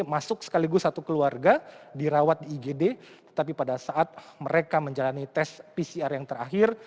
masuk sekaligus satu keluarga dirawat di igd tetapi pada saat mereka menjalani tes pcr yang terakhir